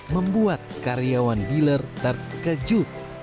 membuat karyawan dealer terkejut